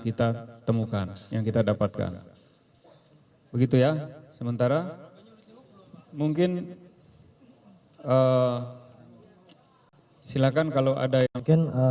kita temukan yang kita dapatkan begitu ya sementara mungkin silakan kalau ada mungkin